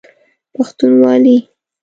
پښتونوالی